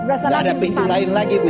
ada pintu lain lagi